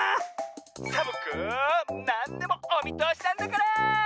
サボ子なんでもおみとおしなんだから！